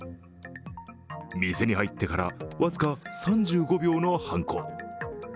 店に入ってから僅か３５秒の犯行。